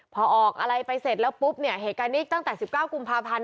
พอออกอะไรไปเสร็จแล้วปุ๊บเนี่ยเหตุการณ์นี้ตั้งแต่๑๙กุมภาพันธ์